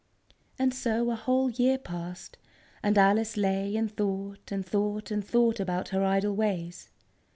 And so a whole year passed, and Alice lay and thought, and thought, and thought about her idle ways.